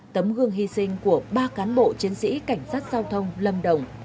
tấm gương hy sinh của ba cán bộ chiến sĩ cảnh sát giao thông lâm đồng